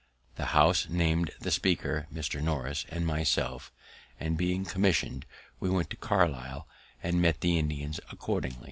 The House named the speaker (Mr. Norris) and myself; and, being commission'd, we went to Carlisle, and met the Indians accordingly.